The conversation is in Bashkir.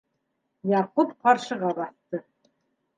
Яҡуп ҡаршыға баҫты.